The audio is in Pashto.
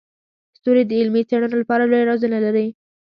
ستوري د علمي څیړنو لپاره لوی رازونه لري.